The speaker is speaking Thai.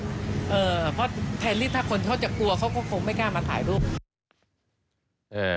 เพราะแทนลิกถ้าเขากลัวคงไม่กล้ามาถ่ายรูป